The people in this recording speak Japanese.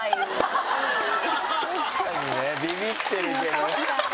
確かにね「ビビってるけど」。